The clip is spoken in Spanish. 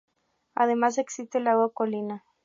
Además existe el Lago Colina.